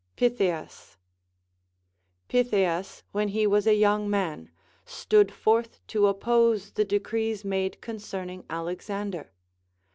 Pytheas. Pytheas, when he Avas a young man, stood forth to oppose the decrees made concerning Alexander.